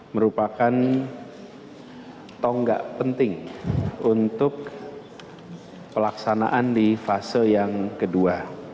merupakan tonggak penting untuk pelaksanaan di fase yang kedua